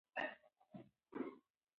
کار انسان ته د ځان د پېژندنې فرصت ورکوي